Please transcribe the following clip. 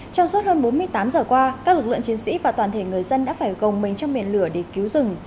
trong suốt hơn bốn mươi tám giờ qua các lực lượng chiến sĩ và toàn thể người dân đã phải gồng mình trong miền lửa để cứu rừng